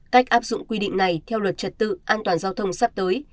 cách áp dụng quy định này theo luật trật tự an toàn giao thông sắp tới